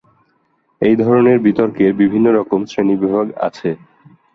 এই ধরনের বিতর্কের বিভিন্ন রকম শ্রেণিবিভাগ আছে।